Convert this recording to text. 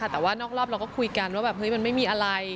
แต่ว่านอกรอบเราก็คุยกันว่าแบบเฮ้ยมันไม่มีอะไร